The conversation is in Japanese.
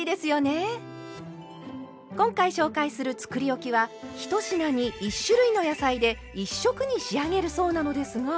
今回紹介するつくりおきは１品に１種類の野菜で１色に仕上げるそうなのですが。